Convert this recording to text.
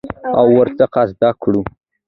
او ورڅخه زده کوو.